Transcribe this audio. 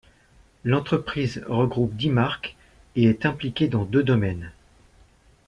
L'entreprise regroupe dix marques et est impliquée dans deux domaines.